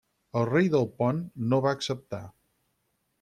El rei del Pont no va acceptar.